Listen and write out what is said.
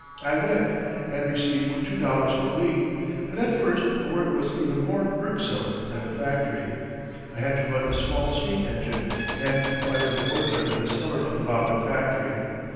I went, and received two dollars per week; but at first the work was even more irksome than the factory. I had to run a small steam engine and to fire the boiler in the cellar of the bobbin factory.